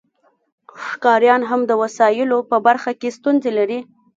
ښکاریان هم د وسایلو په برخه کې ستونزې لري